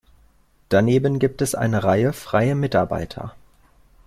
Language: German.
Daneben gibt es eine Reihe freie Mitarbeiter.